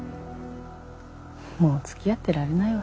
もうつきあってられないわ。